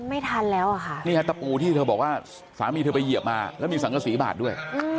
ไม่ทันแล้วอ่ะค่ะนี่ฮะตะปูที่เธอบอกว่าสามีเธอไปเหยียบมาแล้วมีสังกษีบาดด้วย